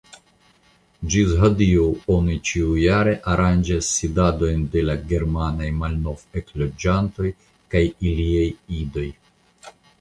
Ĝis hodiaŭ oni ĉiujare aranĝas sidadojn de la germanaj malnovekloĝintoj kaj iliaj idoj.